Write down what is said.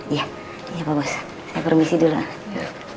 iya pak bos saya permisi dulu